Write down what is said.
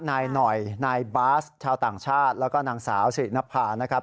นายหน่อยนายบาสชาวต่างชาติแล้วก็นางสาวสิรินภานะครับ